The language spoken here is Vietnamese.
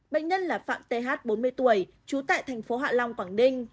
bệnh nhân là phạm th bốn mươi tuổi trú tại thành phố hạ long quảng ninh